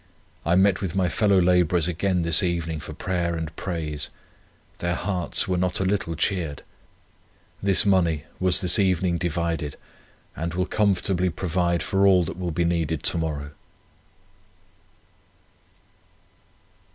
I met with my fellow labourers again this evening for prayer and praise; their hearts were not a little cheered. This money was this evening divided, and will comfortably provide for all that will be needed to morrow."